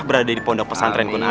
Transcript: berada di pondok pesantren guna